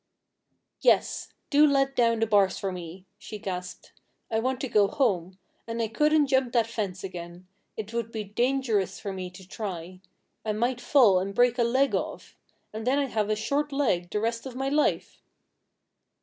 "Yes! Do let down the bars for me!" she gasped. "I want to go home. And I couldn't jump that fence again. It would be dangerous for me to try. I might fall and break a leg off. And then I'd have a short leg the rest of my life."